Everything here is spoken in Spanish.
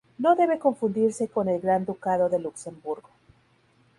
No debe confundirse con el Gran Ducado de Luxemburgo.